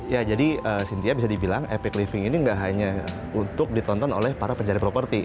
ya jadi cynthia bisa dibilang epic living ini nggak hanya untuk ditonton oleh para pencari properti